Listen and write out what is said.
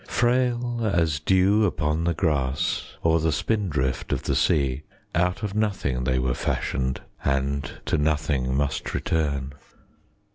Frail as dew upon the grass Or the spindrift of the sea, Out of nothing they were fashioned And to nothing must return.